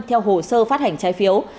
theo hồ sơ phát hành trái phiếu